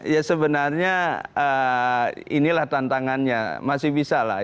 ya sebenarnya inilah tantangannya masih bisa lah